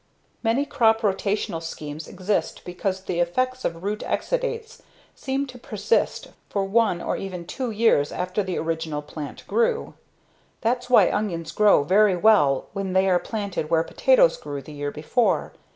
Many crop rotational schemes exist because the effects of root exudates seem to persist for one or even two years after the original plant grew That's why onions grow very well when they are planted where potatoes grew the year before.